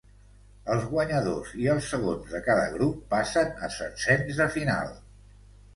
Els guanyadors i els segons de cada grup passen a setzens de final.